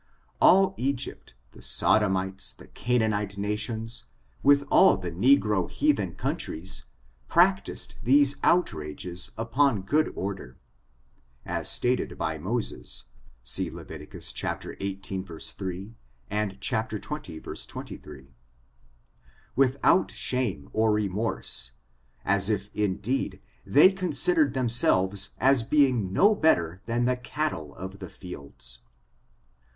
All Egypt, the Sodomites, the Canaanite nations, with all the negro heathen coimtries, practiced these outrages' upon good order (as stated by Moses, see Levit. xviii, 3, and chap, xx, 23), without shame or remorse, as if, indeed, they considered themselves as being no better than the cattle of the fields.